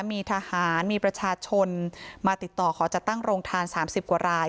มีทหารมีประชาชนมาติดต่อขอจัดตั้งโรงทาน๓๐กว่าราย